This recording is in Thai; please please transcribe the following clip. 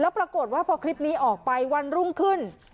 ปรากฏว่าพอคลิปนี้ออกไปวันรุ่งขึ้น